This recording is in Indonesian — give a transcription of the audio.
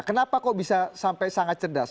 kenapa kok bisa sampai sangat cerdas